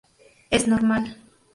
Es normal.